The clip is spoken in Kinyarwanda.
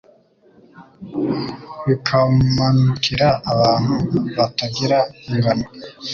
bikamanukira abantu batagira ingano,